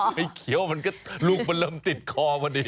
ไอ้เขียวมันก็ลูกมันเริ่มติดคอพอดี